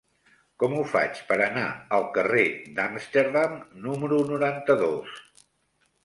Com ho faig per anar al carrer d'Amsterdam número noranta-dos?